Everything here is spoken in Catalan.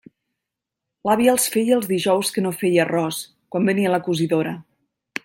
L'àvia els feia els dijous que no feia arròs, quan venia la cosidora.